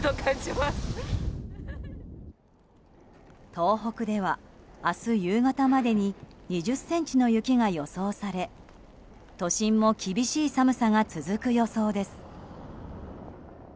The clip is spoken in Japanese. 東北では明日夕方までに２０ｃｍの雪が予想され都心も厳しい寒さが続く予想です。